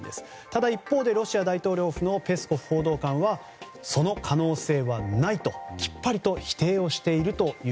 ただ、一方ロシア大統領府のペスコフ報道官はその可能性はないときっぱりと否定をしています。